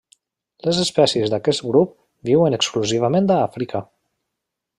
Les espècies d'aquest grup viuen exclusivament a Àfrica.